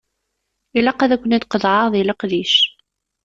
Ilaq ad ken-id-qeḍɛeɣ deg leqdic.